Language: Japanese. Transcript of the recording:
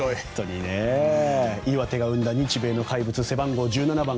岩手が生んだ日米の怪物背番号１７番